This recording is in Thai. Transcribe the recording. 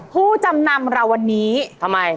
ผู้จำนำเราวันนี้ทำไม